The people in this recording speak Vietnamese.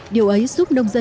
điều ấy giúp nông dân